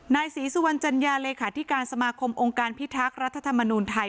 นายศรีสุวรรณจัญญาเลขาธิการสมาคมองค์การพิทักษ์รัฐธรรมนูลไทย